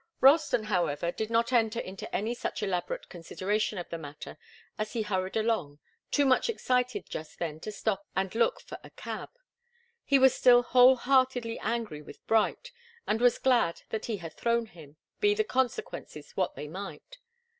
Ralston, however, did not enter into any such elaborate consideration of the matter as he hurried along, too much excited just then to stop and look for a cab. He was still whole heartedly angry with Bright, and was glad that he had thrown him, be the consequences what they might.